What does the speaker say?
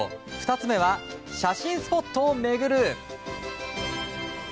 ２つ目は、写真スポットを巡る。